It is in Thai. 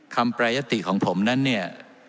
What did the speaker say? แปรยติของผมนั้นเนี่ย